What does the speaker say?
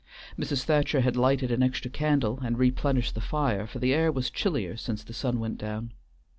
Mrs. Thacher had lighted an extra candle, and replenished the fire, for the air was chillier since the sun went down.